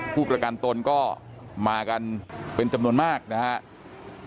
ผู้ประกันตนก็มากันเป็นจำนวนมากนะครับ